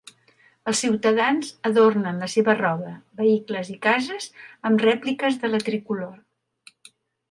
Els ciutadans adornen la seva roba, vehicles i cases amb rèpliques de la tricolor.